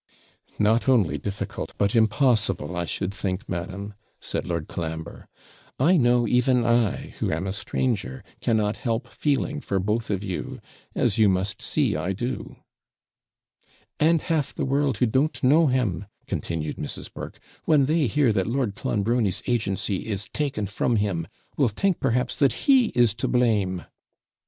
'Not only difficult, but impossible, I should think, madam,' said Lord Colambre; 'I know, even I, who am a stranger, cannot help feeling for both of you, as you must see I do.' 'And half the world, who don't know him,' continued Mrs. Burke, 'when they hear that Lord Clonbrony's agency is taken from him, will think, perhaps, that he is to blame.'